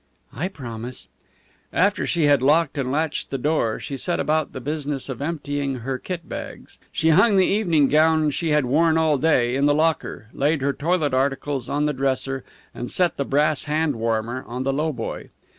"I promise." After she had locked and latched the door she set about the business of emptying her kit bags. She hung the evening gown she had worn all day in the locker, laid her toilet articles on the dresser, and set the brass hand warmer on the lowboy.